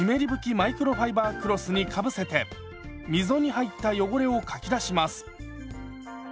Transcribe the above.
マイクロファイバークロスにかぶせて溝に入った汚れをかき出します。